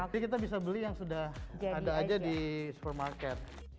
nanti kita bisa beli yang sudah ada aja di supermarket